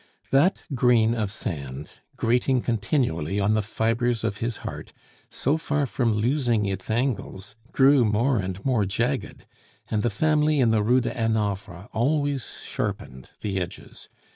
That grain of sand, grating continually on the fibres of his heart, so far from losing its angles, grew more and more jagged, and the family in the Rue de Hanovre always sharpened the edges.